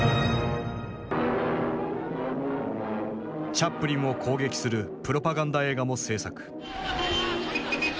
チャップリンを攻撃するプロパガンダ映画も製作。